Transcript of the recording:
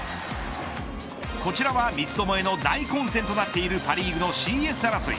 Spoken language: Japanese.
こちらは三つどもえの大混戦となっているパ・リーグのＣＳ争い。